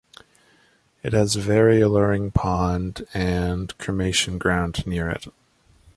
It has a very alluring pond and cremation ground near it.